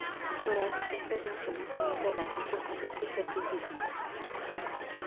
Todas estas pretensiones se deben tratar con profundo escepticismo.